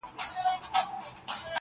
هو پاچا ملا وزیر ملا سهي ده,